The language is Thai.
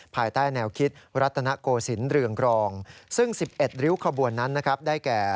ภายใต้แนวคิดรัตนโกศิลปเรืองกรองซึ่ง๑๑ริ้วขบวนนั้นนะครับได้แก่